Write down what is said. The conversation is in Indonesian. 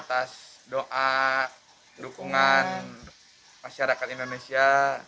atas doa dukungan masyarakat indonesia